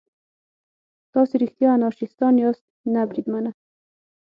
تاسې رښتیا انارشیستان یاست؟ نه بریدمنه.